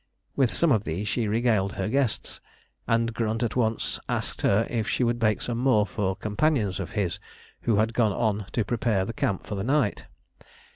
With some of these she regaled her guests, and Grunt at once asked her if she would bake some more for companions of his who had gone on to prepare the camp for the night.